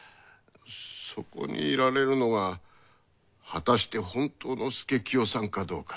そこにいられるのが果たして本当の佐清さんかどうか？